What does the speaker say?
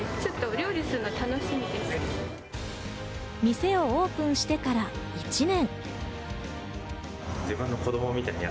店をオープンしてから１年。